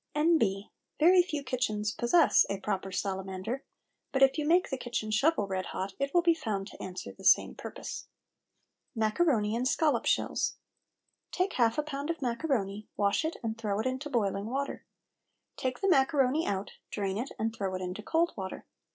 N.B. Very few kitchens possess a proper salamander, but if you make the kitchen shovel red hot it will be found to answer the same purpose. MACARONI IN SCOLLOP SHELLS. Take half a pound of macaroni, wash it, and throw it into boiling water. Take the macaroni out, drain it, and throw it into cold water.